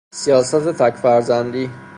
سیاست تک فرزندی